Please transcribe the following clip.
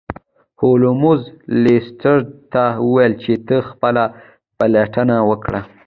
هولمز لیسټرډ ته وویل چې ته خپله پلټنه وکړه.